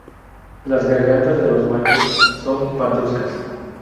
Las gargantas de los machos son parduzcas.